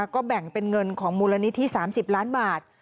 ก็แบ่งเป็นเงินของมูลนิธิ๓๐ล้านบาท